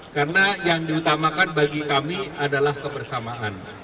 karena yang diutamakan bagi kami adalah kebersamaan